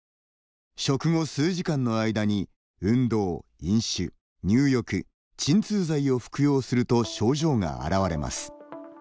食後、数時間の間に運動、飲酒入浴、鎮痛剤を服用をすると症状が現れます。